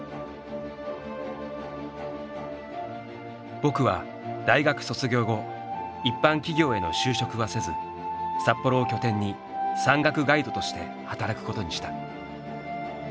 「僕」は大学卒業後一般企業への就職はせず札幌を拠点に山岳ガイドとして働くことにした。